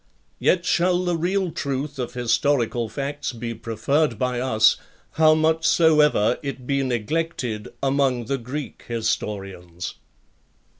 Yet shall the real truth of historical facts be preferred by us, how much soever it be neglected among the Greek historians.